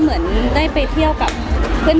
ไม่เคยเจอ